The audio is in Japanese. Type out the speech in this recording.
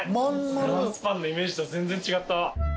フランスパンのイメージと全然違った。